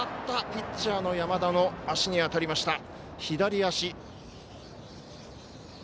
ピッチャーの山田の足に当たりました左足。